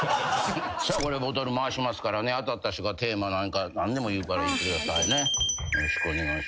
さあボトル回しますからね当たった人がテーマ何でもいいから言ってくださいね。